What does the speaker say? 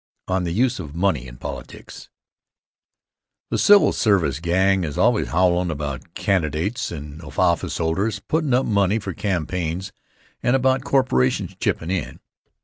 On the Use of Money in Politics THE civil service gang is always howlin' about candidates and officeholders puttin' up money for campaigns and about corporations chippin' in.